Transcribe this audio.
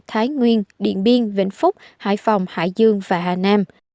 thái nguyên điện biên vĩnh phúc hải phòng hải dương và hà nam